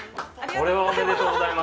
これはおめでとうございます。